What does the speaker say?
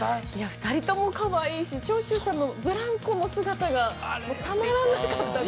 ◆２人ともかわいいし、長州さんのブランコの姿が、もうたまらなかったです。